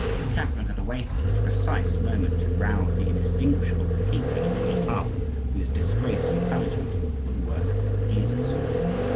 Catherine had awaited this precise moment to rouse the inextinguishable hatred of the Connetable, whose disgrace and banishment were the work of the Guises.